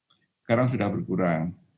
sekarang sudah berkurang